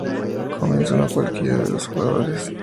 Comienza uno cualquiera de los jugadores.